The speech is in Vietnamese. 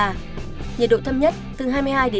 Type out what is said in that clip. nhiệt độ thấp nhất từ hai mươi hai hai mươi năm độ